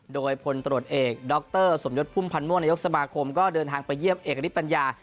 โดยพลตรวจเอกดรสมยศพุ่มพันธ์ม่วงนายกสมาคมก็เดินทางไปเยี่ยมเอกณิตปัญญา